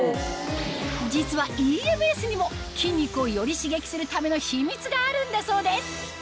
実はＥＭＳにも筋肉をより刺激するための秘密があるんだそうです